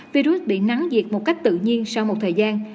virus bị nắng diệt một cách tự nhiên